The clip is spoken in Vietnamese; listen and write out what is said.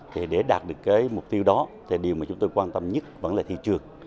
thì để đạt được cái mục tiêu đó thì điều mà chúng tôi quan tâm nhất vẫn là thị trường